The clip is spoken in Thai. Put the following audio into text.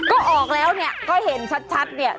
ก็ออกแล้วเนี่ยก็เห็นชัดเนี่ย